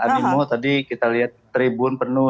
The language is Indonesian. animo tadi kita lihat tribun penuh